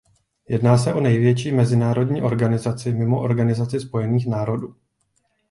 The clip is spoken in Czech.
Jedná se o největší mezinárodní organizaci mimo Organizaci spojených národů.